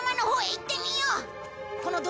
入ってみよう。